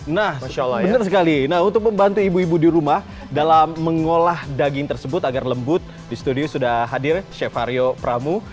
nah benar sekali nah untuk membantu ibu ibu di rumah dalam mengolah daging tersebut agar lembut di studio sudah hadir chevario pramu